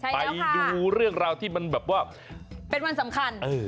ไปดูเรื่องราวที่มันแบบว่าเป็นวันสำคัญ